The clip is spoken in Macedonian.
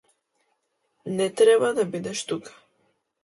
Не треба да бидеш тука.